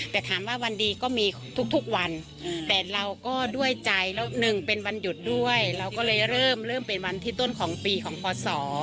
แต่ถามว่าวันดีก็มีทุกวันแต่เราก็ด้วยใจแล้วหนึ่งเป็นวันหยุดด้วยเราก็เลยเริ่มเป็นวันที่ต้นของปีของพศ